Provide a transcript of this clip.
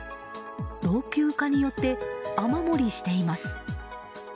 老朽化によって雨漏りしています。